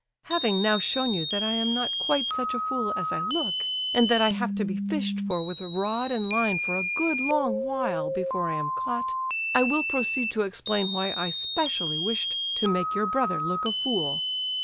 "Having now shown you that I am not quite such a fool as I look, and that I have to be fished for with a rod and line for a good long while before I am caught, I will proceed to explain why I specially wished to make your brother look a fool.